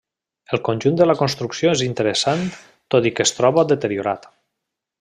El conjunt de la construcció és interessant tot i que es troba deteriorat.